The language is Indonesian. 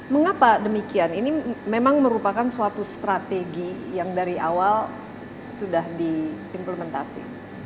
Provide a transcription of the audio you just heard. mengapa demikian ini memang merupakan suatu strategi yang dari awal sudah diimplementasi